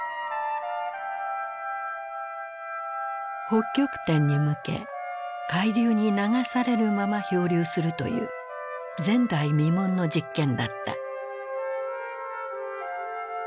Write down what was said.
北極点に向け海流に流されるまま漂流するという前代未聞の実験だった。